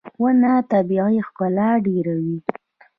• ونه طبیعي ښکلا ډېروي.